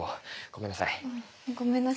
ごめんなさい。